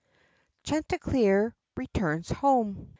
CHANTICLEER RETURNS HOME.